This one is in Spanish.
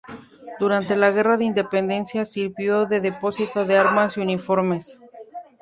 Durante la guerra de independencia sirvió de depósito de armas y uniformes.